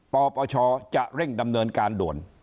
ปปชจะเร่งดำเนินการด่วน